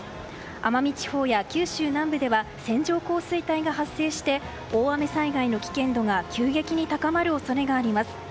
奄美地方や九州南部では線状降水帯が発生して大雨災害の危険度が急激に高まる恐れがあります。